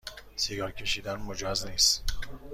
سیگار کشیدن مجاز نیست